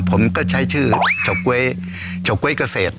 ผมก็ใช้ชื่อเฉาก๊วยเฉาก๊วยเกษตร